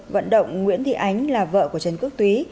vận động nguyễn thị ánh là vợ của trần quốc túy